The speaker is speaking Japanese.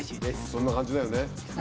そんな感じだよね。